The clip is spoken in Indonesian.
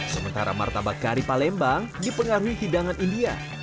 sementara martabak kari palembang dipengaruhi hidangan india